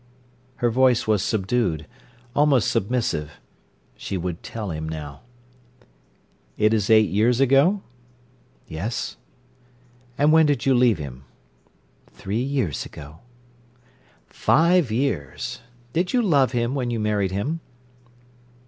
Her voice was subdued, almost submissive. She would tell him now. "It is eight years ago?" "Yes." "And when did you leave him?" "Three years ago." "Five years! Did you love him when you married him?"